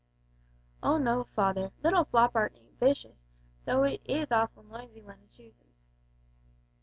"O no, father; little Floppart ain't vicious, though it is awful noisy w'en it chooses."